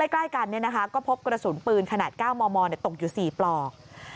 ใกล้กันก็พบกระสุนปืนขนาด๙มมตกอยู่๔ปลอก